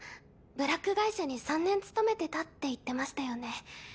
ブラック会社に３年勤めてたって言ってましたよね？